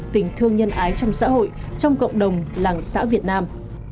tình thương nhân ái trong xã hội trong cộng đồng làng xã việt nam